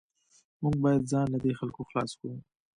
موږ باید ځان له دې خلکو خلاص کړو